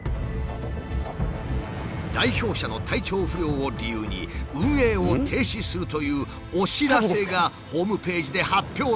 代表者の体調不良を理由に運営を停止するというお知らせがホームページで発表されたのだ。